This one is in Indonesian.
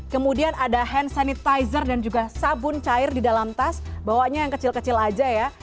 kemudian ada hand sanitizer dan juga sabun cair di dalam tas bawanya yang kecil kecil aja ya